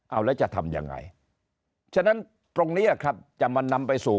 เอาแล้วจะทำยังไงฉะนั้นตรงนี้ครับจะมันนำไปสู่